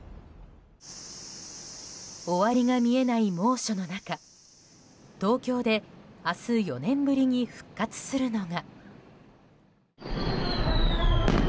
終わりが見えない猛暑の中東京で明日４年ぶりに復活するのは。